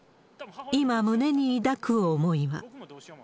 今、胸に抱く思いは。